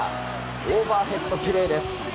オーバーヘッドプレーです。